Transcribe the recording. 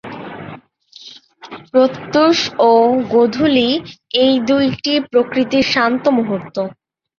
প্রত্যূষ ও গোধূলি, এই দুইটি প্রকৃতির শান্ত মুহূর্ত।